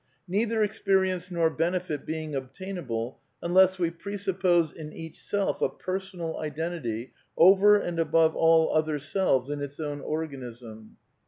Neither experience nor benefit being obtainable unless we presup pose in each self a " personal identity " over and above fidl other selves in its own organism.